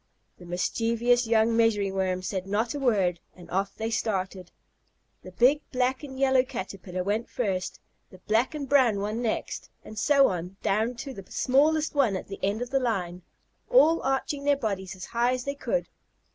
The mischievous young Measuring Worm said not a word, and off they started. The big black and yellow Caterpillar went first, the black and brown one next, and so on down to the smallest one at the end of the line, all arching their bodies as high as they could.